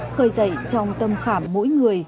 khơi dậy trong tâm khảm mỗi người